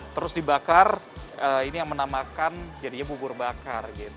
terus dibakar ini yang menamakan jadinya bubur bakar